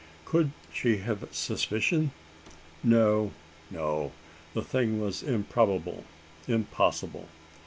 Could she have a suspicion? No, no: the thing was improbable impossible!